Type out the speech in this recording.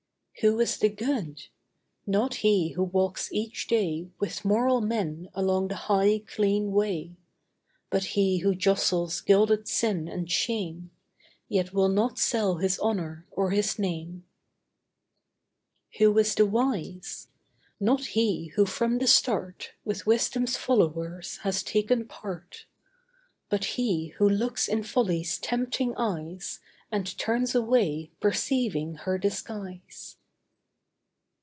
Who is the good? Not he who walks each day With moral men along the high, clean way; But he who jostles gilded sin and shame, Yet will not sell his honour or his name. Who is the wise? Not he who from the start With Wisdom's followers has taken part; But he who looks in Folly's tempting eyes, And turns away, perceiving her disguise.